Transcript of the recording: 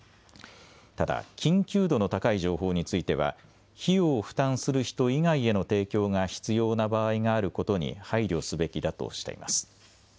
ただ緊急度の高い情報については費用を負担する人以外への提供が必要な場合があることに配慮すべきだとしています。